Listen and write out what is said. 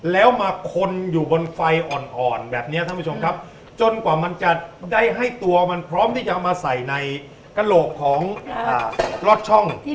แล้วมาคนอยู่บนไฟอ่อนแบบนี้ท่านผู้ชมครับจนกว่ามันจะได้ให้ตัวมันพร้อมที่จะเอามาใส่ในกระโหลกของลอดช่อง